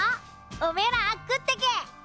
おめえら食ってけ。